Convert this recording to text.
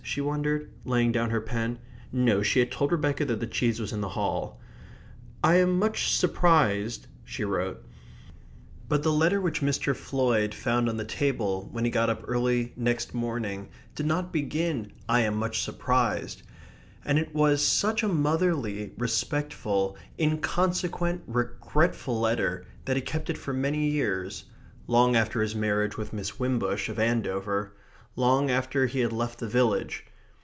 she wondered, laying down her pen. No, she had told Rebecca that the cheese was in the hall. "I am much surprised..." she wrote. But the letter which Mr. Floyd found on the table when he got up early next morning did not begin "I am much surprised," and it was such a motherly, respectful, inconsequent, regretful letter that he kept it for many years; long after his marriage with Miss Wimbush, of Andover; long after he had left the village.